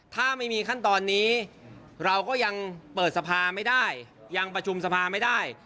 ถ้าไม่มีขั้นตอนนี้เราก็ยังเปิดสภาไม่ได้ยังประชุมสภาไม่ได้